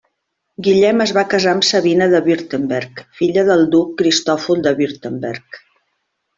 Guillem es va casar amb Sabina de Württemberg, filla del duc Cristòfol de Württemberg.